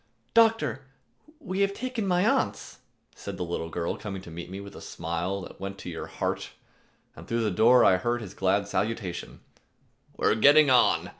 "Doctor, we have taken Mayence,"[269 1] said the little girl coming to meet me with a smile that went to your heart, and through the door I heard his glad salutation, "We're getting on!